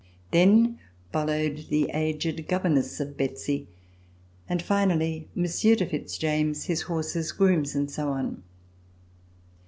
Then followed the aged governess of Betsy and finally Monsieur de Fitz James, his horses, grooms and so on.